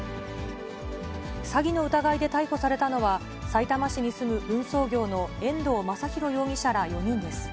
詐欺の疑いで逮捕されたのは、さいたま市に住む運送業の遠藤昌宏容疑者ら４人です。